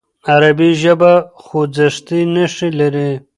عربي ژبه خوځښتي نښې لري.